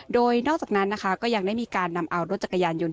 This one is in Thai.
โดยนอกจากนั้นนะคะก็ยังได้มีการนำเอารถจักรยานยนต